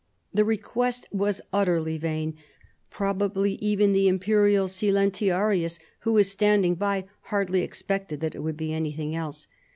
The request was utterly vain ; probably even the imperial silentiarius, who was standing by, hardly expected that it would be anything else.